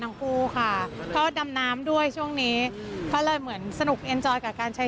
ตอนนี้ฉันยังมีมองใครเอ้อส์